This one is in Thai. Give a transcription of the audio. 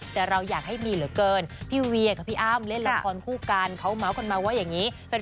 แต่เราอยากให้มีเหลือเกินพี่เวียกับพี่อ้ำเล่นละครคู่กันเขาเมาส์กันมาว่าอย่างนี้